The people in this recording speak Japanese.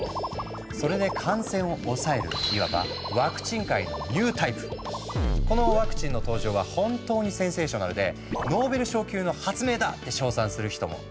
それで感染を抑えるいわばこのワクチンの登場は本当にセンセーショナルで「ノーベル賞級の発明だ！」って賞賛する人も。